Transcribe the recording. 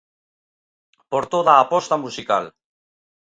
Por toda a aposta musical.